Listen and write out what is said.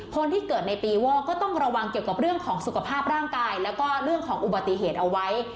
คนที่เกิดในปีวอกก็ต้องระวังเกี่ยวกับเรื่องของสุขภาพร่างกายแล้วก็เรื่องของอุบัติเหตุเอาไว้